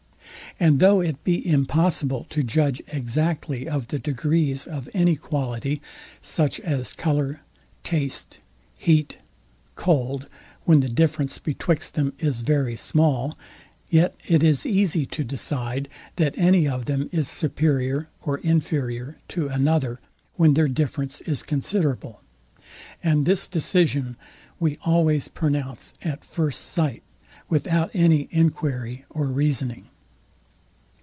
And though it be impossible to judge exactly of the degrees of any quality, such as colour, taste, heat, cold, when the difference betwixt them is very small: yet it is easy to decide, that any of them is superior or inferior to another, when their difference is considerable. And this decision we always pronounce at first sight, without any enquiry or reasoning.